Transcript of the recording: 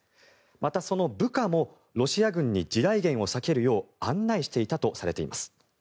また、その部下もロシア軍に地雷原を避けるよう案内していたとされています。